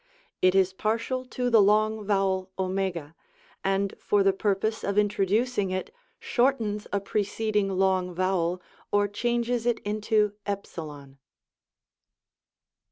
It is partial to the long vowel oJ, and for the purpose of introducing it, shortens a preceding long vowel, or changes it into f .